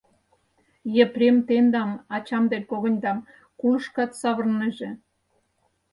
Епрем тендам, ачам ден когыньдам, кулышкат савырынеже.